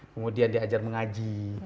kemudian diajar mengaji